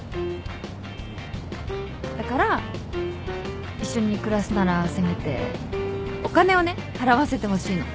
だから一緒に暮らすならせめてお金をね払わせてほしいの。